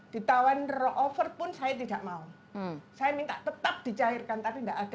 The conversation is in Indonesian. di tahun roover pun saya tidak mau saya minta tetap dicairkan tapi tidak ada